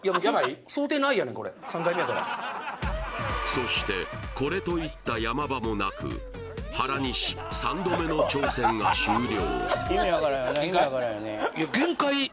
そしてこれといった山場もなく原西３度目の挑戦が終了